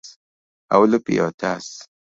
Aolo pi e otas